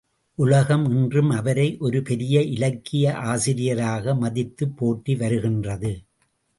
உலகம் இன்றும் அவரை ஒரு பெரிய இலக்கிய ஆசிரியராக மதித்துப் போற்றி வருகின்றது.